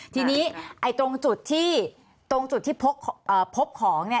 ทีนี้ตรงจุดที่พบของเนี่ย